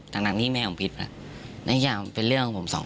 ตามไปหาเจ๊